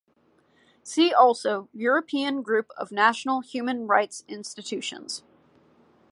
See also European Group of National Human Rights Institutions.